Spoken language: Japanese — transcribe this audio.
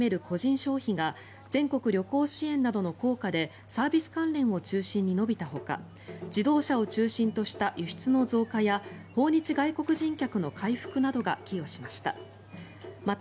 消費が全国旅行支援などの効果でサービス関連を中心に伸びたほか自動車を中心とした輸出の増加や訪日外国人客の回復などが寄与しました。